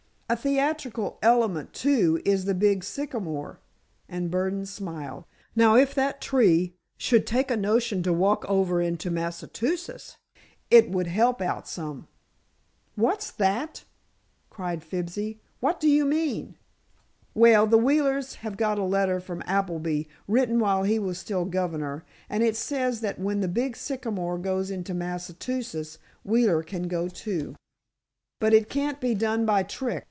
"A theatrical element, too, is the big sycamore," and Burdon smiled. "Now, if that tree should take a notion to walk over into Massachusetts, it would help out some." "What's that?" cried Fibsy. "What do you mean?" "Well, the Wheelers have got a letter from Appleby, written while he was still governor, and it says that when the big sycamore goes into Massachusetts, Wheeler can go, too. But it can't be done by a trick.